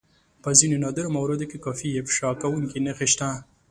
په ځينو نادرو مواردو کې کافي افشا کوونکې نښې شته.